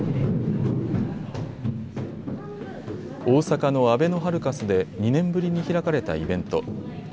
大阪のあべのハルカスで２年ぶりに開かれたイベント。